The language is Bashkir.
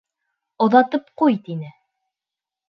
Оҙатып ҡуй, тине.